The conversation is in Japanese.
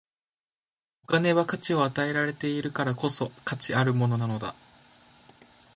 お金は価値を与えられているからこそ、価値あるものなのだ。